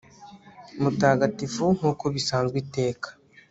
mutagatifu, nk'uko bisanzwe iteka